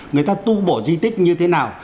người ta tu bổ di tích như thế nào